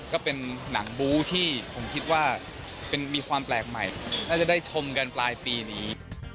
ก็เป็นหนังบู้ที่ผมคิดว่ามีความแปลกใหม่น่าจะได้ชมกันปลายปีนี้